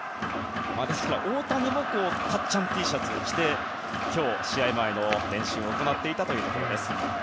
ですから大谷もたっちゃんＴシャツを着て今日、試合前の練習を行っていたということです。